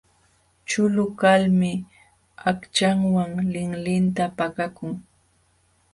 Chulu kalmi aqchanwan linlinta pakakun.